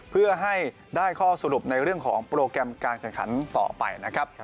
เพื่อให้ได้ข้อสรุปในเรื่องของโปรแกรมการแข่งขันต่อไปนะครับ